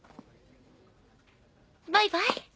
バイバイ。